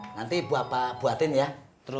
nanti bapak buatin ya terus